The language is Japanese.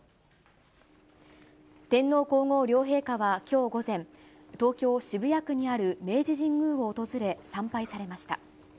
天皇皇后両陛下はきょう午前、東京・渋谷区にある明治神宮を訪れ、参拝されました。